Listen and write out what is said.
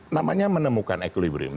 namanya menemukan equilibrium